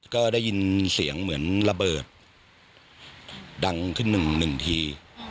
ก็ได้ยินเสียงเหมือนระเบิดดังขึ้นหนึ่งที